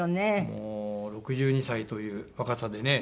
もう６２歳という若さでね。